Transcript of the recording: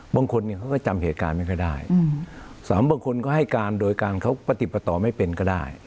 บางคนเนี่ยเขาก็จำเหตุการณ์ไม่ค่อยได้สามบางคนก็ให้การโดยการเขาปฏิปต่อไม่เป็นก็ได้